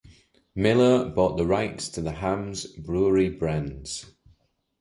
Miller bought the rights to the Hamm's Brewery brands.